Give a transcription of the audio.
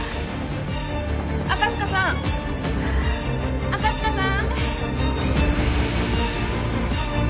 赤塚さん赤塚さーん！